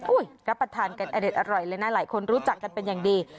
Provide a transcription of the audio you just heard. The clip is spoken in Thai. รับประทานกันอเด็ดอร่อยเลยนะหลายคนรู้จักกันเป็นอย่างดี